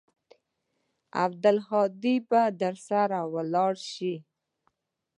عبدالهادي به درسره ولاړ سي.